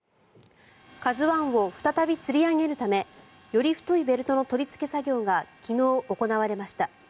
「ＫＡＺＵ１」を再びつり上げるためより太いベルトの取りつけ作業が昨日、行われました。